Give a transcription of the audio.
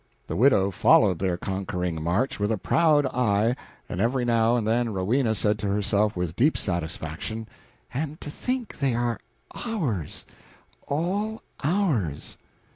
The widow followed their conquering march with a proud eye, and every now and then Rowena said to herself with deep satisfaction, "And to think they are ours all ours!"